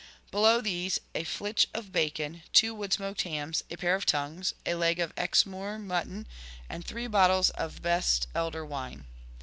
Below these a flitch of bacon, two wood smoked hams, a pair of tongues, a leg of Exmoor mutton, and three bottles of best elder wine.